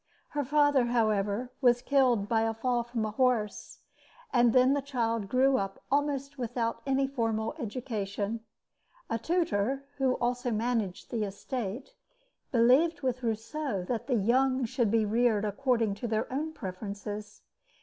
Her father, however, was killed by a fall from a horse; and then the child grew up almost without any formal education. A tutor, who also managed the estate; believed with Rousseau that the young should be reared according to their own preferences.